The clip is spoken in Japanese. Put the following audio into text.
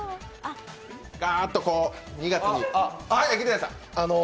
ガーっとこう、２月に。